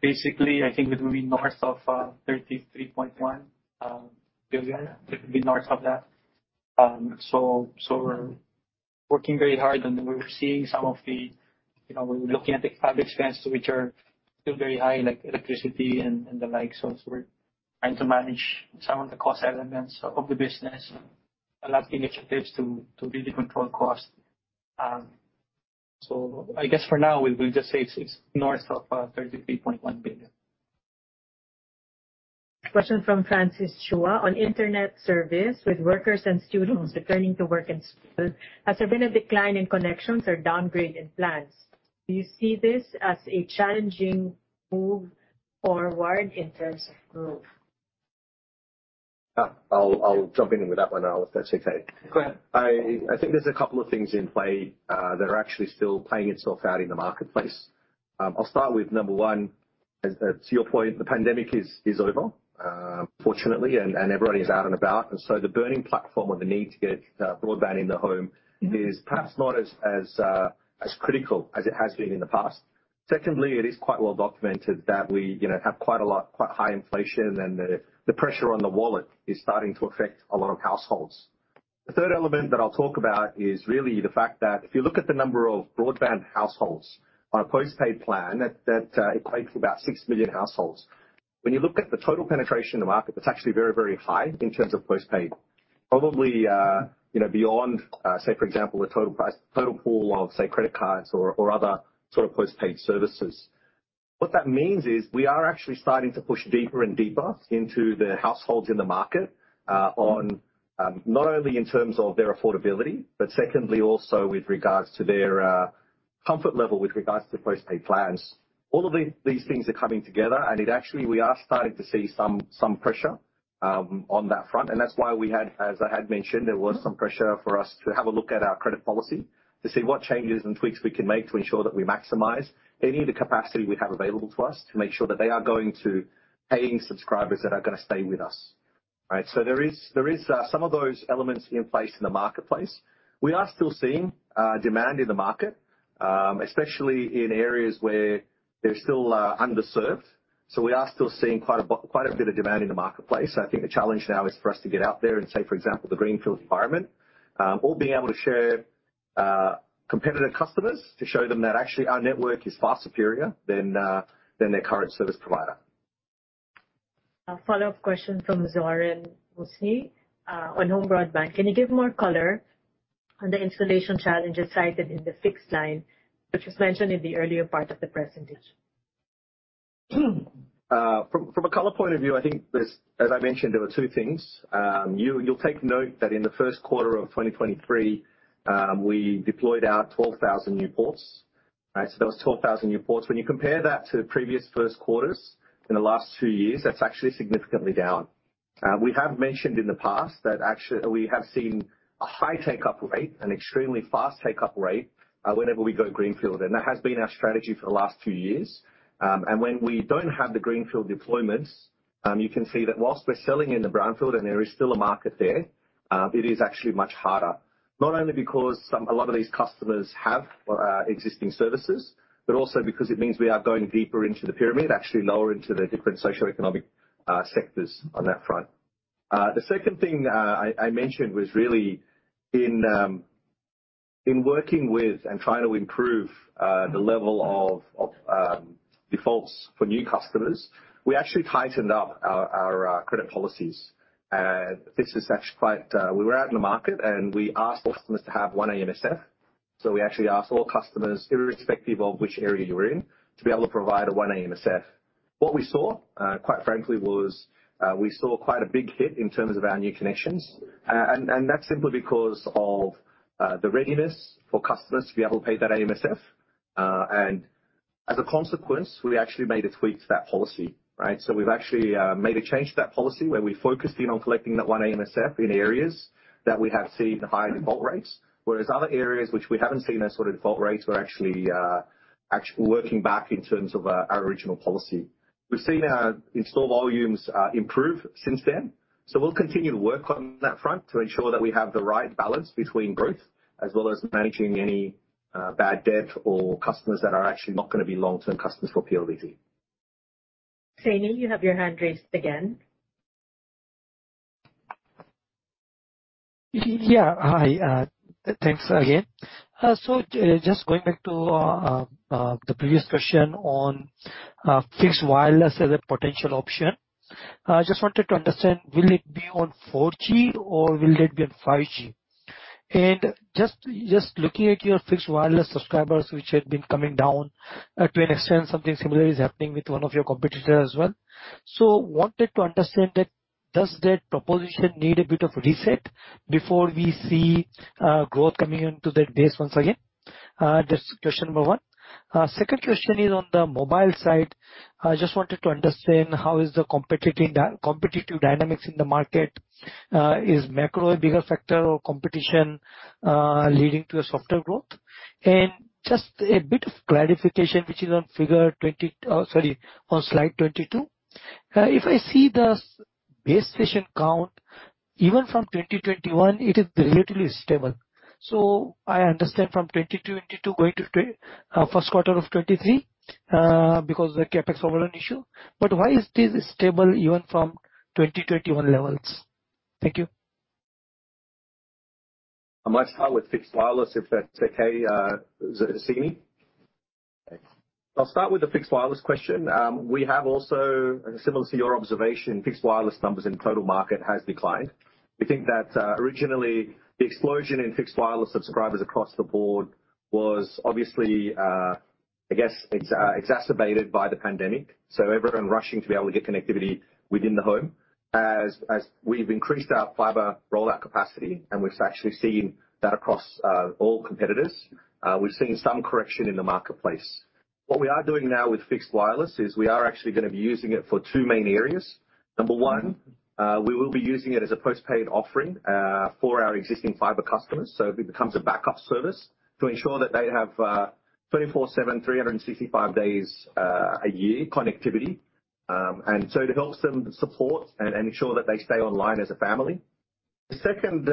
Basically, I think it will be north of 33.1 billion. It will be north of that. We're working very hard and we're seeing some of the, you know, we're looking at the fabric spends which are still very high, like electricity and the like. We're trying to manage some of the cost elements of the business. A lot of initiatives to really control cost. I guess for now, we'll just say it's north of 33.1 billion. Question from Francis Chua. On internet service with workers and students returning to work and school, has there been a decline in connections or downgrade in plans? Do you see this as a challenging move forward in terms of growth? I'll jump in with that one, Al, if that's okay. Go ahead. I think there's a couple of things in play that are actually still playing itself out in the marketplace. I'll start with number one. As to your point, the pandemic is over, fortunately, and everybody is out and about. The burning platform or the need to get broadband in the home is perhaps not as critical as it has been in the past. Secondly, it is quite well documented that we, you know, have quite a lot, quite high inflation and the pressure on the wallet is starting to affect a lot of households. The third element that I'll talk about is really the fact that if you look at the number of broadband households on a post-paid plan, that equates to about 6 million households. When you look at the total penetration in the market, that's actually very, very high in terms of post-paid. Probably, you know, beyond, say, for example, the total price, total pool of, say, credit cards or other sort of post-paid services. What that means is we are actually starting to push deeper and deeper into the households in the market, on, not only in terms of their affordability, but secondly also with regards to their comfort level with regards to post-paid plans. All of these things are coming together, and it actually, we are starting to see some pressure on that front. And that's why we had, as I had mentioned, there was some pressure for us to have a look at our credit policy to see what changes and tweaks we can make to ensure that we maximize any of the capacity we have available to us to make sure that they are going to paying subscribers that are gonna stay with us, right? There is some of those elements in place in the marketplace. We are still seeing demand in the market, especially in areas where they're still underserved. We are still seeing quite a bit of demand in the marketplace. I think the challenge now is for us to get out there in, say, for example, the greenfield environment, or being able to share competitive customers to show them that actually our network is far superior than their current service provider. A follow-up question from Zorin Musni on home broadband. Can you give more color on the installation challenges cited in the fixed line, which was mentioned in the earlier part of the presentation? From a color point of view, I think there's, as I mentioned, there were two things. You'll take note that in the Q2 of 2023, we deployed out 12,000 new ports, right. That was 12,000 new ports. When you compare that to previous first quarters in the last two years, that's actually significantly down. We have mentioned in the past that actually we have seen a high take-up rate, an extremely fast take-up rate, whenever we go greenfield. That has been our strategy for the last two years. When we don't have the greenfield deployments, you can see that whilst we're selling in the brownfield and there is still a market there, it is actually much harder. Not only because some, a lot of these customers have existing services, but also because it means we are going deeper into the pyramid, actually lower into the different socioeconomic sectors on that front. The second thing I mentioned was really in working with and trying to improve the level of defaults for new customers, we actually tightened up our credit policies. This is actually quite. We were out in the market, and we asked all customers to have one AMSF. We actually asked all customers, irrespective of which area you're in, to be able to provide a one AMSF. What we saw quite frankly was, we saw quite a big hit in terms of our new connections. That's simply because of the readiness for customers to be able to pay that AMSF. As a consequence, we actually made a tweak to that policy, right. We've actually made a change to that policy where we focused in on collecting that one AMSF in areas that we have seen higher default rates, whereas other areas which we haven't seen those sort of default rates were actually working back in terms of our original policy. We've seen our install volumes improve since then, so we'll continue to work on that front to ensure that we have the right balance between growth as well as managing any bad debt or customers that are actually not gonna be long-term customers for PLDT. Hussaini, you have your hand raised again. Yeah. Hi. Thanks again. Just going back to the previous question on fixed wireless as a potential option, I just wanted to understand, will it be on 4G or will it be on 5G? Just looking at your fixed wireless subscribers, which had been coming down to an extent, something similar is happening with one of your competitors as well. Wanted to understand that, does that proposition need a bit of reset before we see growth coming into that base once again? That's question number one. Second question is on the mobile side. I just wanted to understand how is the competitive dynamics in the market. Is macro a bigger factor or competition leading to a softer growth? Just a bit of clarification, which is on figure 20... Sorry, on slide 22. If I see the base station count, even from 2021, it is relatively stable. I understand from 2022 going to first quarter of 2023, because of the CapEx overrun issue. Why is this stable even from 2021 levels? Thank you. I might start with fixed wireless, if that's okay, Hussaini. I'll start with the fixed wireless question. We have also, and similar to your observation, fixed wireless numbers in total market has declined. We think that, originally the explosion in fixed wireless subscribers across the board was obviously, I guess exacerbated by the pandemic, so everyone rushing to be able to get connectivity within the home. As we've increased our fiber rollout capacity, and we've actually seen that across, all competitors, we've seen some correction in the marketplace. What we are doing now with fixed wireless is we are actually gonna be using it for two main areas. Number one, we will be using it as a post-paid offering, for our existing fiber customers. It becomes a backup service to ensure that they have 24/7, 365 days a year connectivity. It helps them support and ensure that they stay online as a family. The second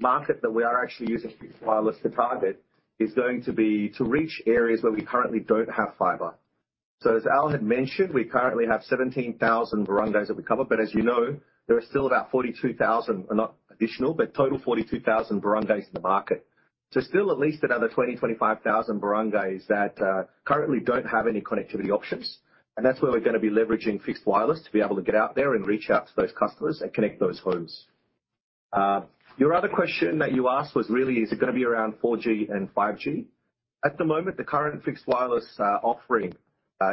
market that we are actually using fixed wireless to target is going to be to reach areas where we currently don't have fiber. As Al had mentioned, we currently have 17,000 barangays that we cover, but as you know, there are still about 42,000, or not additional, but total 42,000 barangays in the market. Still at least another 20,000-25,000 barangays that currently don't have any connectivity options. That's where we're gonna be leveraging fixed wireless to be able to get out there and reach out to those customers and connect those homes. Your other question that you asked was really is it gonna be around 4G and 5G? At the moment, the current fixed wireless offering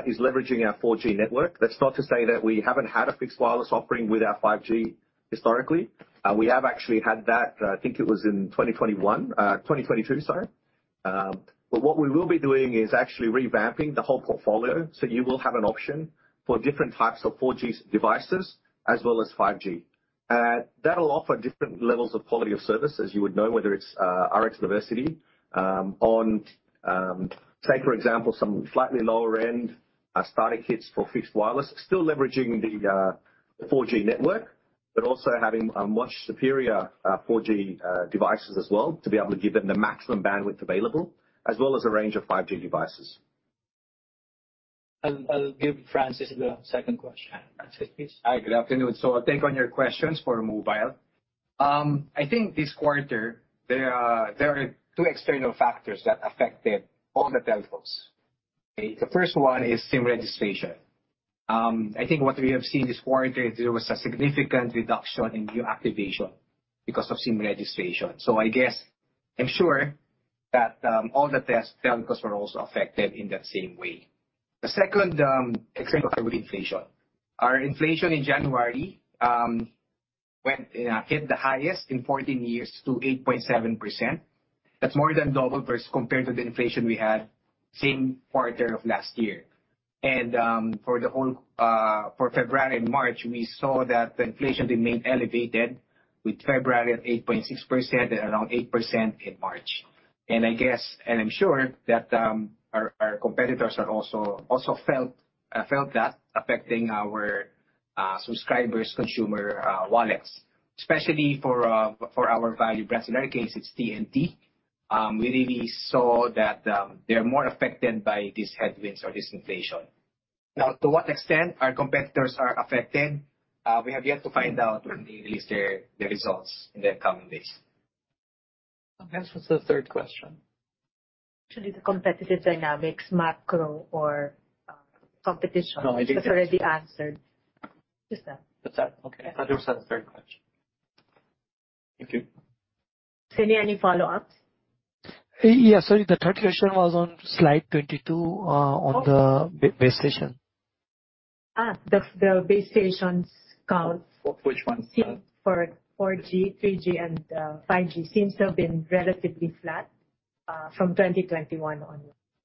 is leveraging our 4G network. That's not to say that we haven't had a fixed wireless offering with our 5G historically. We have actually had that, I think it was in 2021, 2022, sorry. What we will be doing is actually revamping the whole portfolio, so you will have an option for different types of 4G devices as well as 5G. That'll offer different levels of quality of service, as you would know, whether it's Rx diversity, on. Take for example, some slightly lower end, starter kits for fixed wireless, still leveraging the 4G network, but also having, much superior, 4G, devices as well to be able to give them the maximum bandwidth available, as well as a range of 5G devices. I'll give Francis the second question. Francis, please. Hi, good afternoon. I'll take on your questions for mobile. I think this quarter there are two external factors that affected all the telcos. The first one is SIM registration. I think what we have seen this quarter is there was a significant reduction in new activation because of SIM registration. I guess, I'm sure that all the test telcos were also affected in that same way. The second external factor with inflation. Our inflation in January hit the highest in 14 years to 8.7%. That's more than double compared to the inflation we had same quarter of last year. For the whole for February and March, we saw that the inflation remained elevated with February at 8.6%, around 8% in March. I guess, and I'm sure that, our competitors are also felt that affecting our subscribers consumer wallets. Especially for our value brands. In our case it's TNT. We really saw that they're more affected by these headwinds or this inflation. To what extent our competitors are affected, we have yet to find out when they release their results in the coming days. I guess what's the third question? Actually the competitive dynamics, macro or competition. No, I think. It's already answered. Just that. Just that? Okay. I thought there was a third question. Thank you. Hussain, any follow-ups? Yes. Sorry. The third question was on slide 22, on the base station. The base stations. Which one? For 4G, 3G and 5G seems to have been relatively flat from 2021 onward.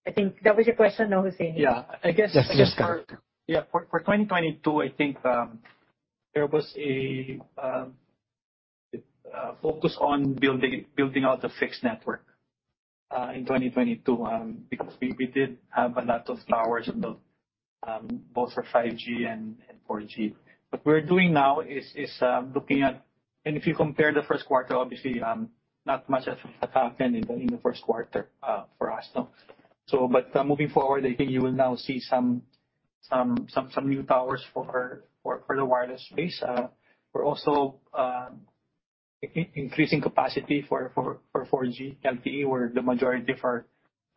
I think that was your question, no, Hussain? Yeah. I guess. Yes, that's correct. Yeah. For 2022, I think, there was a focus on building out the fixed network, in 2022, because we did have a lot of towers built, both for 5G and 4G. What we're doing now is looking at. If you compare the first quarter, obviously, not much has happened in the first quarter, for us, no. Moving forward, I think you will now see some new towers for the wireless space. We're also increasing capacity for 4G LTE where the majority of our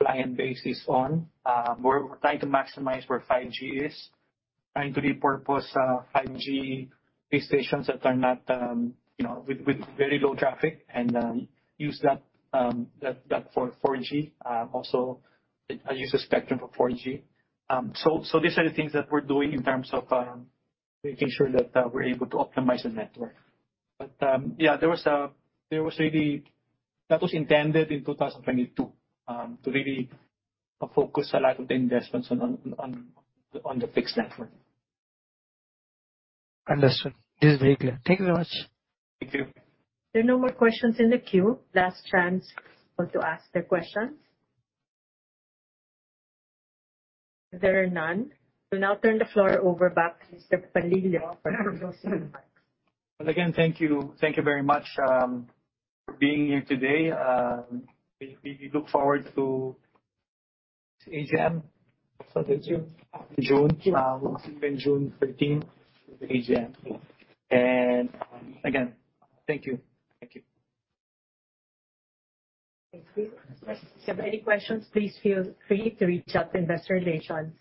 client base is on. We're trying to maximize where 5G is, trying to repurpose 5G base stations that are not with very low traffic and use that for 4G. Also use the spectrum for 4G. These are the things that we're doing in terms of making sure that we're able to optimize the network. There was that was intended in 2022 to really focus a lot of the investments on the fixed network. Understood. This is very clear. Thank you very much. Thank you. There are no more questions in the queue. Last chance for to ask their questions. There are none. We'll now turn the floor over back to Mr. Panlilio for closing remarks. Well, again, thank you. Thank you very much for being here today. We look forward to AGM. That's June. June. It's been June 13, the AGM. Again, thank you. Thank you. If you have any questions, please feel free to reach out to investor relations.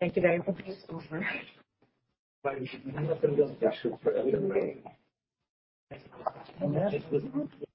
Thank you very much.